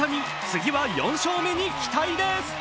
次は４勝目に期待です。